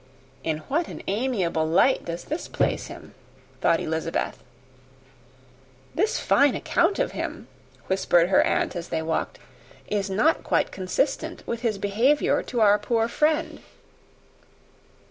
"In what an amiable light does this place him!" thought Elizabeth. "This fine account of him," whispered her aunt as they walked, "is not quite consistent with his behaviour to our poor friend."